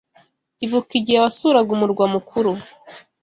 Ibuka igihe wasuraga umurwa mukuru